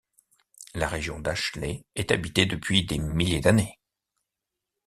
La région d'Ashley est habitée depuis des milliers d'années.